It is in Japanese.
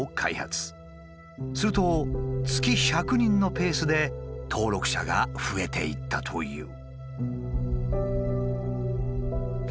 すると月１００人のペースで登録者が増えていったという。